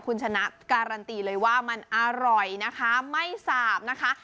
คุณชนะการันตีเลยว่ามันอร่อยนะคะไม่สาบนะคะ